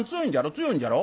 強いんじゃろ？」。